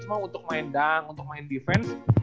cuma untuk main dunk untuk main defense